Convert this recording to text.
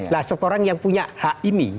lah seseorang yang punya hak ini